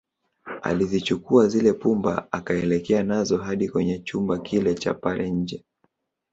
Alizichukua zile pumba akaelekea nazo hadi kwenye chumba kile Cha pale nje